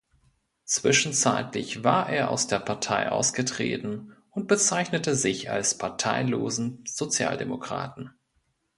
Zwischenzeitlich war er aus der Partei ausgetreten und bezeichnete sich als „parteilosen Sozialdemokraten“.